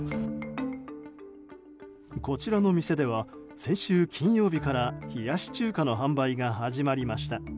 こちらの店では先週金曜日から冷やし中華の販売が始まりました。